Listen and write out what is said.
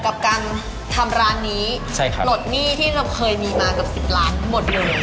กับการทำร้านนี้หลดหนี้ที่เราเคยมีมากับ๑๐ล้านหมดเลย